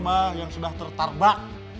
bah yang sudah tertarbak